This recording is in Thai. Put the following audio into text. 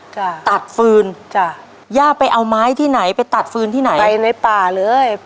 ตัดฟืนจ้ะย่าไปเอาไม้ที่ไหนไปตัดฟืนที่ไหนไปในป่าเลย